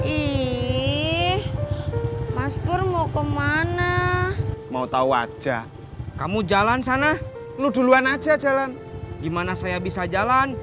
ih mas pur mau kemana mau tahu aja kamu jalan sana lu duluan aja jalan gimana saya bisa jalan